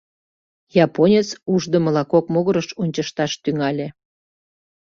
Японец ушдымыла кок могырыш ончышташ тӱҥале.